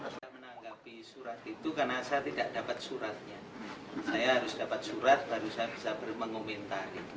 saya menanggapi surat itu karena saya tidak dapat suratnya saya harus dapat surat baru saya bisa mengomentari